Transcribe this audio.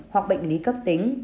hoặc bệnh lý cấp tính